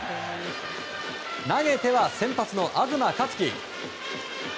投げては先発の東克樹。